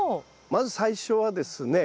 まず最初はですね